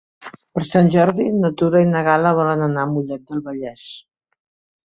Per Sant Jordi na Tura i na Gal·la volen anar a Mollet del Vallès.